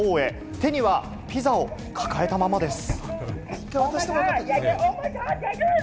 手にはピザを抱えたままです。